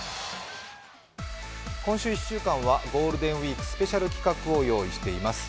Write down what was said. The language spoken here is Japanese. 今週１週間はゴールデンウイークスペシャル企画を用意しています。